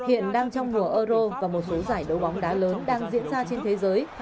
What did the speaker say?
hiện đang trong mùa euro và một số giải đấu bóng đá lớn đang diễn ra trên thế giới